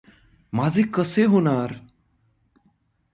माझे कसे होणार?